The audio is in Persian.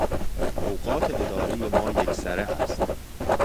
اوقات ادارهٔ ما یکسره است.